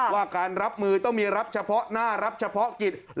ว่าการรับมือต้องมีรับเฉพาะหน้ารับเฉพาะกิจ